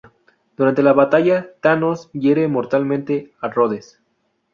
Durante la batalla, Thanos hiere mortalmente a Rhodes.